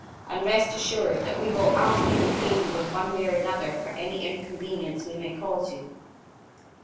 And rest assured that we shall amply repay you in one way or another for any inconvenience we may cause you."